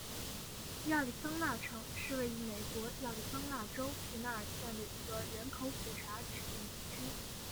亚利桑那城是位于美国亚利桑那州皮纳尔县的一个人口普查指定地区。